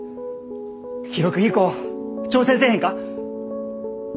記録飛行挑戦せえへんか？